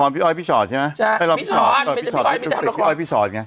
ละครพี่อ้อยพี่ฉอดใช่ไหมใช่พี่ฉอดพี่อ้อยพี่ฉอดไง